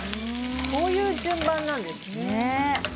こういう順番なんですね。